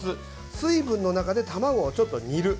水分の中で卵をちょっと煮る。